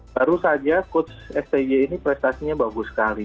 baru saja coach stj ini prestasinya bagus sekali